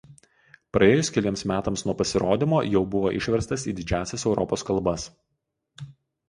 Praėjus keliems metams nuo pasirodymo jau buvo išverstas į didžiąsias Europos kalbas.